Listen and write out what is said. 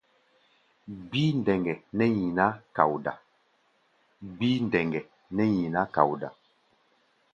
Gbíí ndɛŋgɛ nɛ́ nyiná kaoda.